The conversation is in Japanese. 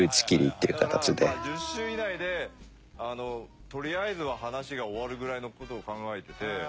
だから１０週以内でとりあえずは話が終わるぐらいの事を考えてて。